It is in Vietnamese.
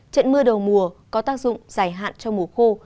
trận mưa đầu mùa có tác dụng giải hạn trong mùa khô